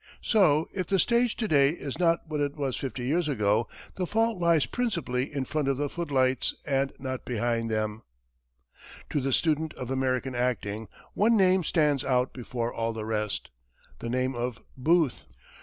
So, if the stage to day is not what it was fifty years ago, the fault lies principally in front of the footlights and not behind them. [Illustration: BOOTH] To the student of American acting, one name stands out before all the rest, the name of Booth.